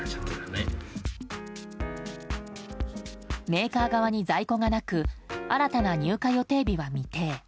メーカー側に在庫がなく新たな入荷予定日は未定。